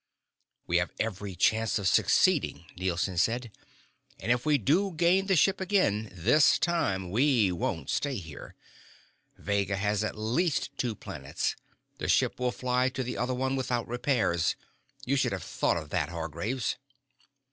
"We have every chance of succeeding," Nielson said. "And if we do gain the ship again, this time we won't stay here. Vega has at least two planets. The ship will fly to the other one without repairs. You should have thought of that, Hargraves."